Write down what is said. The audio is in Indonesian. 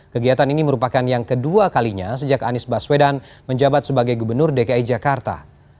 kegiatan ini merupakan yang kedua kalinya sejak anies baswedan menjabat sebagai gubernur dki jakarta